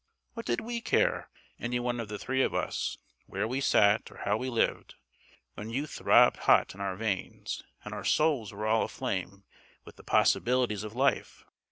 What did we care, any one of the three of us, where we sat or how we lived, when youth throbbed hot in our veins, and our souls were all aflame with the possibilities of life?